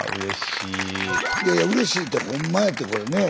いやいやうれしいってほんまやってこれね。ねえ。